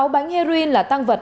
sáu bánh heroin là tăng vật